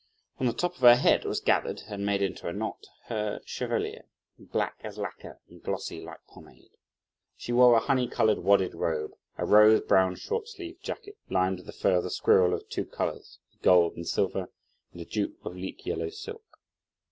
On the top of her head was gathered, and made into a knot, her chevelure, black as lacquer, and glossy like pomade. She wore a honey coloured wadded robe, a rose brown short sleeved jacket, lined with the fur of the squirrel of two colours: the "gold and silver;" and a jupe of leek yellow silk.